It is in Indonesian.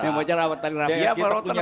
bicara tali rafia atau rotan akar